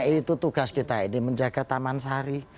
itu tugas kita ini menjaga taman sari